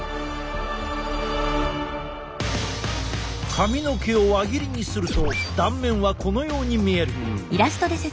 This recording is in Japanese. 髪の毛を輪切りにすると断面はこのように見える。